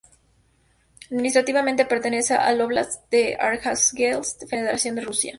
Administrativamente, pertenece al óblast de Arjánguelsk, Federación de Rusia.